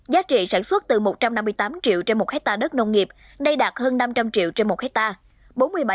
giá trị sản xuất từ một trăm năm mươi tám triệu trên một hectare đất nông nghiệp nay đạt hơn năm trăm linh triệu trên một hectare